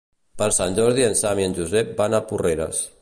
Per Sant Jordi en Sam i en Josep van a Porreres.